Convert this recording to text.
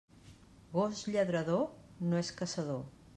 Gos lladrador, no és caçador.